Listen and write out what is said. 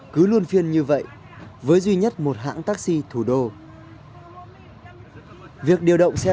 có mất phí không ạ